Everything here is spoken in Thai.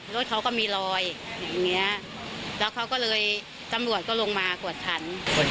รถเขาก็มีรอยอย่างเงี้ยแล้วเขาก็เลยตำรวจก็ลงมากวดขัน